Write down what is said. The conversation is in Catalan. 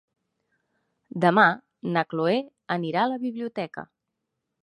Demà na Chloé anirà a la biblioteca.